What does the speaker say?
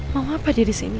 mau apa dia disini